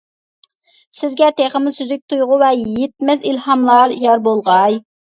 سىزگە تېخىمۇ سۈزۈك تۇيغۇ ۋە يىتمەس ئىلھاملار يار بولغاي.